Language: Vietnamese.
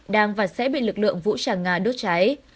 đang và sẽ bị lực lượng vũ trang nga đốt cháy